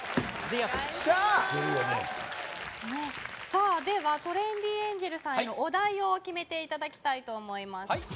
さあではトレンディエンジェルさんへのお題を決めていただきたいと思います